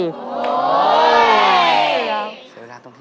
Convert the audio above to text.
โห